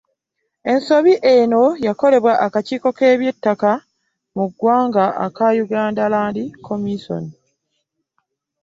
Ensobi eno yakolebwa akakiiko k'ebyettaka mu ggwanga aka Uganda Land Commission